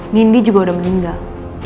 nindi juga udah meninggal